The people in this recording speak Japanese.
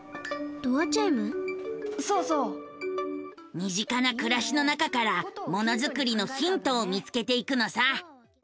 身近な暮らしの中からものづくりのヒントを見つけていくのさ。